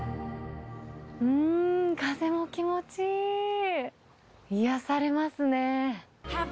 んー、風も気持ちいい。癒やされますね。